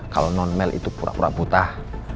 kalau non male itu pura pura butah